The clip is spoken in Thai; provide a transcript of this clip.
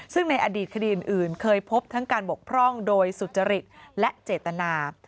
ซึ่งในอดีตคดีอื่นเคยพบทั้งการบกพร่องโดยสุจริตและเจตนา